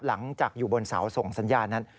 หลังจากอยู่บนเสาส่งสัญญานั้น